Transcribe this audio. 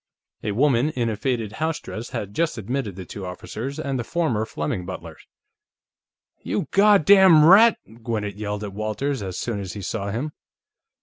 A woman in a faded housedress had just admitted the two officers and the former Fleming butler. "You goddam rat!" Gwinnett yelled at Walters, as soon as he saw him.